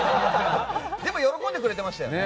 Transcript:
でも喜んでくれてましたよね。